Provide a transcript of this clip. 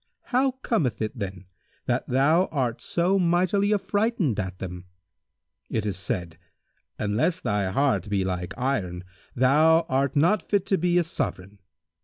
How cometh it then, that thou art so mightily affrighted at them? It is said, 'Unless thy heart be like iron, thou art not fit to be a Sovran.'